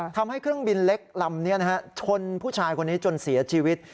เครื่องบินเล็กลำนี้ชนผู้ชายคนนี้จนเสียชีวิต